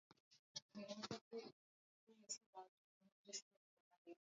o awali bwana ocampo alikuwa ameshaandikia wale